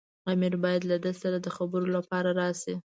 امیر باید له ده سره د خبرو لپاره راشي.